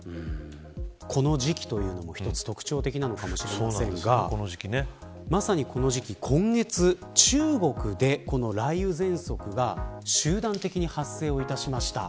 この時期というのも一つ特徴的なのかもしれませんがまさに、この時期今月、中国でこの雷雨ぜんそくが集団的に発生いたしました。